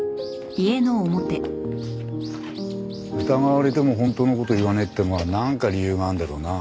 疑われても本当の事を言わねえってのはなんか理由があるんだろうな。